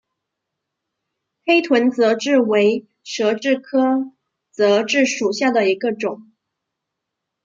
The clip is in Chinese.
黑臀泽蛭为舌蛭科泽蛭属下的一个种。